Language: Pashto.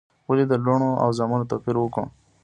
ولي د لوڼو او زامنو توپیر وکو؟